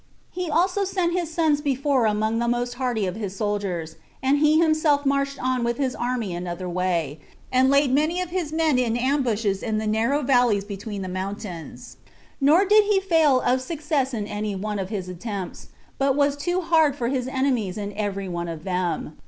He also sent his sons before among the most hardy of his soldiers, and he himself marched on with his army another way, and laid many of his men in ambushes in the narrow valleys between the mountains; nor did he fail of success in any one of his attempts, but was too hard for his enemies in every one of them.